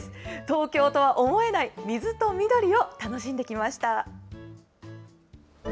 東京とは思えない、水と緑を楽しんできました。